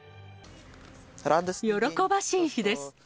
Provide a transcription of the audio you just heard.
喜ばしい日です。